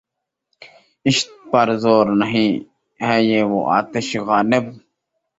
عشق پر زور نہیں، ہے یہ وہ آتش غالب